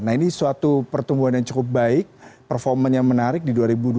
nah ini suatu pertumbuhan yang cukup baik performa yang menarik di dua ribu dua puluh